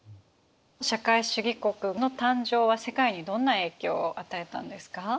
社会主義国の誕生は世界にどんな影響を与えたんですか？